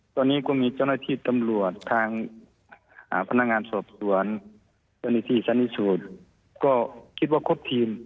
ตรงนี้ตำรวจยังไงบ้างครับ